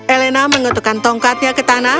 elena mengetukkan tongkatnya ke tanah